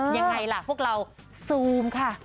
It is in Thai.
ยังไงล่ะพวกเราซูมค่ะ